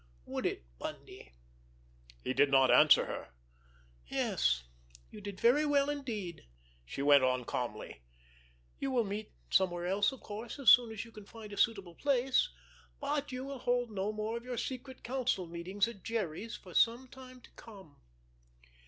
Would it, Bundy?" He did not answer her. "Yes, you did very well, indeed," she went on calmly. "You will meet somewhere else, of course, as soon as you can find a suitable place, but you will hold no more of your secret council meetings at Jerry's for some time to come."